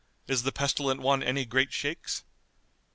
Is the Pestilent one any great shakes?"